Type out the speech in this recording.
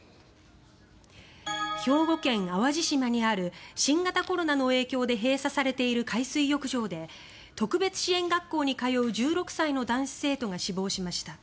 兵庫県・淡路島にある新型コロナの影響で閉鎖されている海水浴場で特別支援学校に通う１６歳の男子生徒が死亡しました。